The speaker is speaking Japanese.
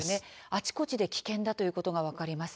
あちこちで危険だということが分かります。